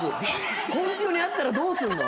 ホントにあったらどうすんの？